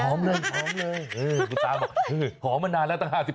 เลยหอมเลยคุณตาบอกหอมมานานแล้วตั้ง๕๐